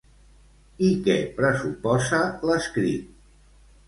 I què pressuposa l'escrit?